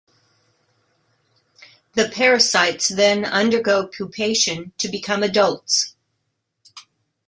The parasites then undergo pupation to become adults.